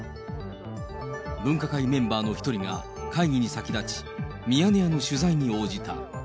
分科会メンバーの１人が、会議に先立ちミヤネ屋の取材に応じた。